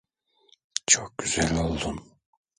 Çok güzel oldun.